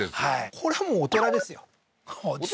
これはもうお寺ですよお寺？